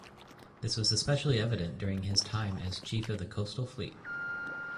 This was especially evident during his time as Chief of the Coastal Fleet.